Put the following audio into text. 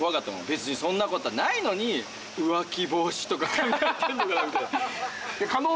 別にそんなことはないのに浮気防止とか考えてるのかなみたいな。